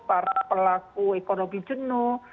para pelaku ekonomi jenuh